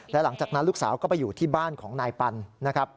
และหลังจากนั้นลูกสาวก็ไปอยู่ที่บ้านของนายปันนะครับ